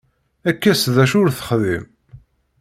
Kkes d acu ur texdim.